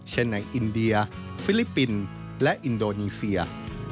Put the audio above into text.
เช่นในอินเดียฟิลิปปินส์และอินโดนีเซีย